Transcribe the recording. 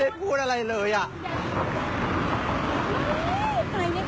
ดูคลิปกันก่อนนะครับแล้วเดี๋ยวมาเล่าให้ฟังนะครับ